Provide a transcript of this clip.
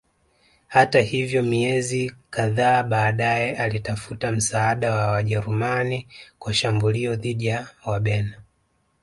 Hata hivyo miezi kadhaa baadaye alitafuta msaada wa Wajerumani kwa shambulio dhidi ya Wabena